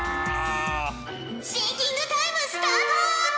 シンキングタイムスタート！